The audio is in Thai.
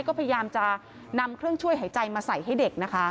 ก็พยายามจะนำเครื่องช่วยหายใจมาใส่ให้เด็กนะคะ